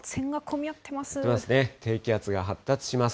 低気圧が発達します。